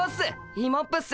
イモップっす。